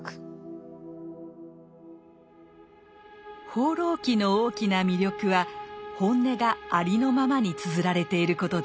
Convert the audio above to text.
「放浪記」の大きな魅力は本音がありのままにつづられていることです。